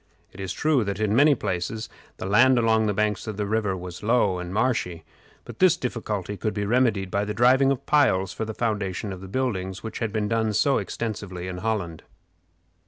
It is true that in many places the land along the banks of the river was low and marshy, but this difficulty could be remedied by the driving of piles for the foundation of the buildings, which had been done so extensively in Holland.